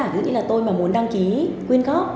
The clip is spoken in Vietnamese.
ví dụ như là tôi mà muốn đăng ký quyên góp